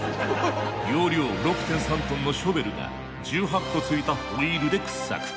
容量６．３ｔのショベルが１８個ついたホイールで掘削。